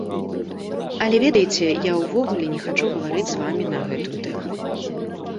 Але ведаеце, я ўвогуле не хачу гаварыць з вамі на гэтую тэму.